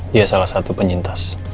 dia salah satu pencintas